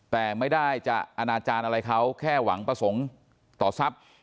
แต่ไม่ได้จะอนาจารย์อะไรเขาแค่หวังประสงค์ต่อทรัพย์